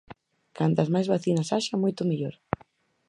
Cantas máis vacinas haxa, moito mellor.